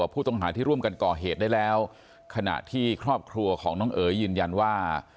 ผู้ต้องหาที่ร่วมกันก่อเหตุได้แล้วขณะที่ครอบครัวของน้องเอ๋ยยืนยันว่า